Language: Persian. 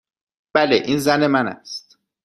بله. این زن من است.